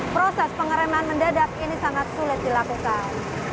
proses pengereman mendadak ini sangat sulit dilakukan